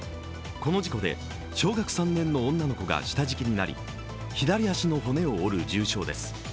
この事故で小学３年の女の子が下敷きになり左足の骨を折る重傷です。